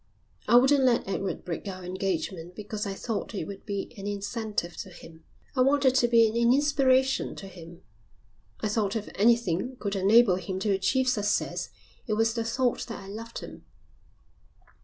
"I wouldn't let Edward break our engagement because I thought it would be an incentive to him. I wanted to be an inspiration to him. I thought if anything could enable him to achieve success it was the thought that I loved him.